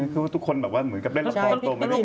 คือว่าทุกคนเหมือนกับเล่นละครตรง